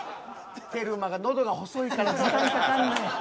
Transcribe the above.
テルマが喉が細いから時間かかんねん。